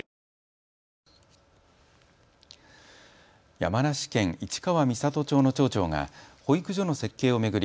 山梨県市川三郷町の町長が保育所の設計を巡り